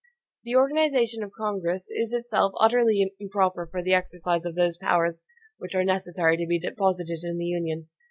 The organization of Congress is itself utterly improper for the exercise of those powers which are necessary to be deposited in the Union.